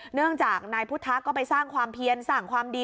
เนื่องจากนายพุทธะก็ไปสร้างความเพียนสร้างความดี